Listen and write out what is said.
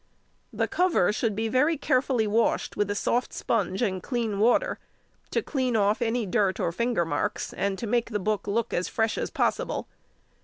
|148| The cover should be very carefully washed with a soft sponge and clean water, to clean off any dirt or finger marks, and to make the book look as fresh as possible.